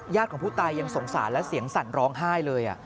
ของผู้ตายยังสงสารและเสียงสั่นร้องไห้เลย